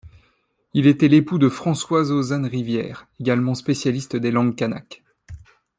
Il était l'époux de Françoise Ozanne-Rivierre, également spécialiste des langues kanak.